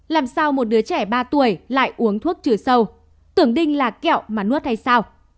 làm sao một đứa trẻ ba tuổi lại uống thuốc trừ sâu tưởng đinh là kẹo mà nuốt hay sao